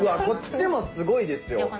こっちもすごいですよ。